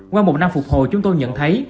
qua một năm phục hồi chúng tôi nhận thấy